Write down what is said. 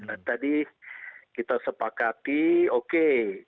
dan tadi kita sepakati oke